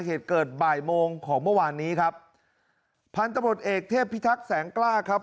เหตุเกิดบ่ายโมงของเมื่อวานนี้ครับพันธบทเอกเทพพิทักษ์แสงกล้าครับ